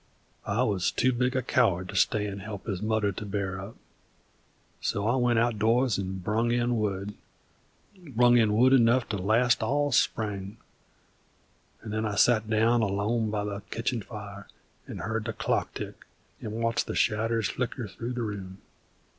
I wuz too big a coward to stay 'nd help his mother to bear up; so I went out doors 'nd brung in wood, brung in wood enough to last all spring, and then I sat down alone by the kitchen fire 'nd heard the clock tick 'nd watched the shadders flicker through the room.